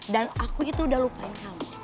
aku itu udah lupain kamu